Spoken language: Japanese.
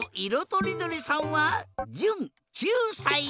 とりどりさんはじゅん９さい。